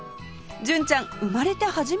純ちゃん生まれて初めて？